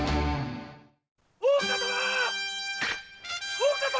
・大岡様！